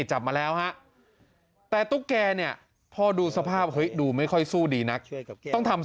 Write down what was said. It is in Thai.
จับมาแล้วฮะแต่ตุ๊กแกเนี่ยพอดูสภาพเฮ้ยดูไม่ค่อยสู้ดีนักต้องทำ